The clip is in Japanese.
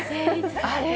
あれ？